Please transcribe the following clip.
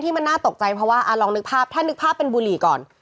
มันน่าตกใจเพราะว่าลองนึกภาพถ้านึกภาพเป็นบุหรี่ก่อน